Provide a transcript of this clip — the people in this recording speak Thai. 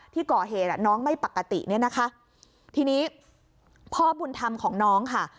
ที่ก่อเหตุอ่ะน้องไม่ปกติเนี่ยนะคะทีนี้พ่อบุญธรรมของน้องค่ะ